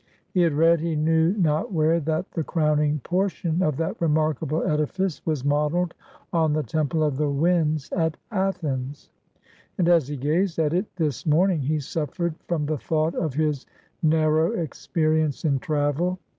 He had read, he knew not where, that the crowning portion of that remarkable edifice was modelled on the Temple of the Winds at Athens, and, as he gazed at it this morning, he suffered from the thought of his narrow experience in travel.